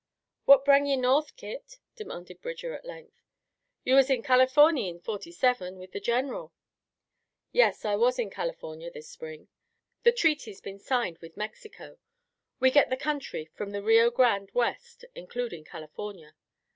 "What brung ye north, Kit?" demanded Bridger at length. "You was in Californy in '47, with the General." "Yes, I was in California this spring. The treaty's been signed with Mexico. We get the country from the Rio Grande west, including California.